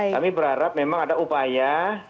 kami berharap memang ada upaya